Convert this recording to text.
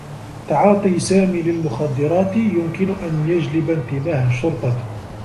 تعاطي سامي للمخدّرات يمكن أن يجلب انتباه الشّرطة.